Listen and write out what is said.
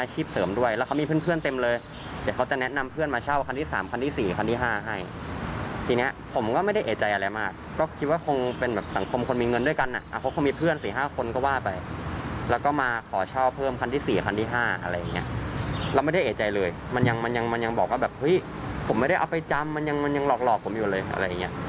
เฮ้ยผมไม่ได้เอาไปจำมันยังหลอกผมอยู่เลย